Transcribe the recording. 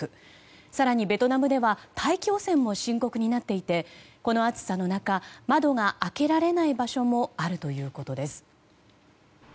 更にベトナムでは大気汚染も深刻になっていてこの暑さの中窓が開けられない場所もあるということです。